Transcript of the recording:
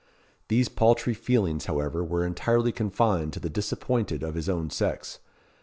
These paltry feelings, however, were entirely confined to the disappointed of his own sex.